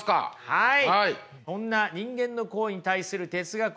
はい。